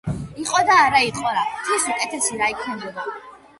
იყო და არა იყო რა, ღვთის უკეთესი რა იქნებოდა.